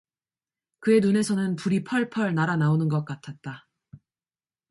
그의 눈에서는 불이 펄펄 날아 나오는 것 같았다.